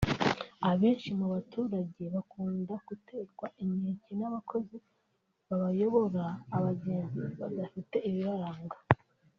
Abenshi mu baturage bakunda guterwa inkeke n’abakozi bayobora abagenzi badafite ibibaranga